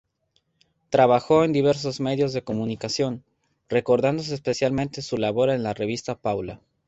Trabajó en diversos medios de comunicación, recordándose especialmente su labor en la revista "Paula".